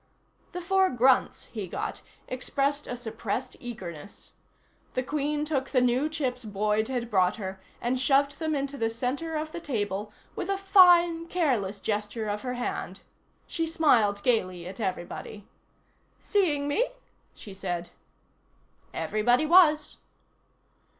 The four grunts he got expressed a suppressed eagerness. The Queen took the new chips Boyd had brought her and shoved them into the center of the table with a fine, careless gesture of her hand. She smiled gaily at everybody. "Seeing me?" she said. Everybody was.